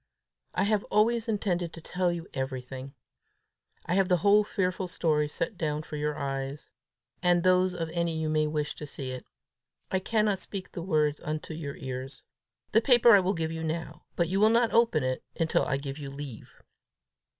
I have always intended to tell you everything. I have the whole fearful story set down for your eyes and those of any you may wish to see it: I cannot speak the words into your ears. The paper I will give you now; but you will not open it until I give you leave."